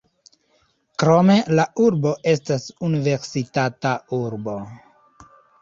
Krome la urbo estas universitata urbo.